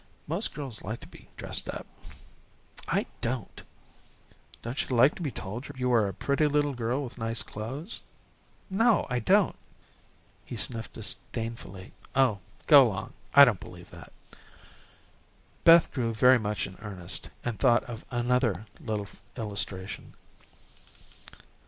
"Most girls like to be dressed up." "I don't." "Don't you like to be told you are a pretty little girl with nice clothes?" "No, I don't." He sniffed disdainfully. "Oh, go long. I don't believe that." Beth grew very much in earnest, and thought of another little illustration.